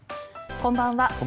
こんばんは。